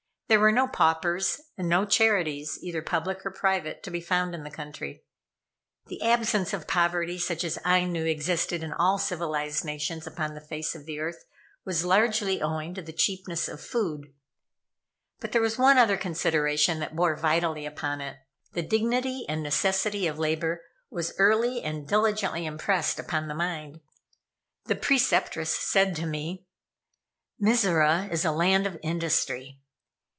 There were no paupers and no charities, either public or private, to be found in the country. The absence of poverty such as I knew existed in all civilized nations upon the face of the earth, was largely owing to the cheapness of food. But there was one other consideration that bore vitally upon it. The dignity and necessity of labor was early and diligently impressed upon the mind. The Preceptress said to me: "Mizora is a land of industry.